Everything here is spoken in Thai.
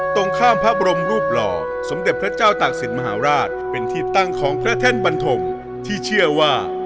ตรงข้ามพระบรมรูปหล่อสมเด็จพระเจ้าตากศิลปมหาราชเป็นที่ตั้งของพระแท่นบันทมที่เชื่อว่า